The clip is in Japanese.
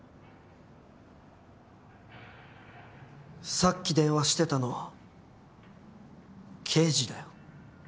さっき電話してたの刑事だよ。